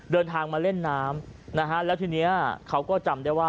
เดินทางมาเล่นน้ำนะฮะแล้วทีนี้เขาก็จำได้ว่า